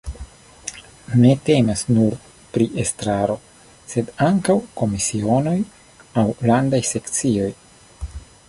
Ne temas nur pri estraro, sed ankaŭ komisionoj aŭ landaj sekcioj.